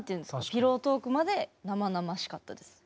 ピロートークまで生々しかったです。